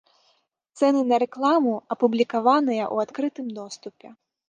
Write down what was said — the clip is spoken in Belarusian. Цэны на рэкламу апублікаваныя ў адкрытым доступе.